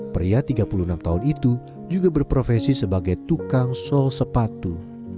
pria tiga puluh enam tahun itu juga berprofesi sebagai tukang sol sepatu